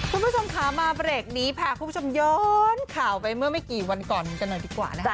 คุณผู้ชมค่ะมาเบรกนี้พาคุณผู้ชมย้อนข่าวไปเมื่อไม่กี่วันก่อนกันหน่อยดีกว่านะคะ